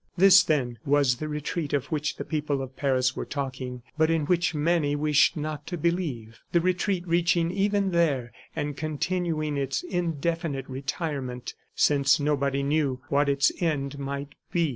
This, then, was the retreat of which the people of Paris were talking, but in which many wished not to believe the retreat reaching even there and continuing its indefinite retirement, since nobody knew what its end might be.